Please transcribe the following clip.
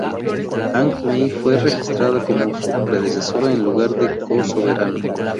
Ang Mey fue registrada como su predecesora en lugar de co-soberana.